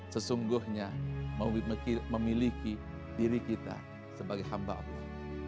sesungguhnya memiliki diri kita sebagai hamba allah